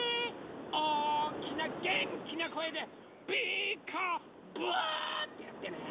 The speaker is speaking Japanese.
おおきなげんきなこえで「ピーカーブ！」っていってね。